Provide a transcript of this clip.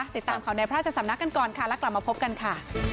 ติดตามข่าวในพระราชสำนักกันก่อนค่ะแล้วกลับมาพบกันค่ะ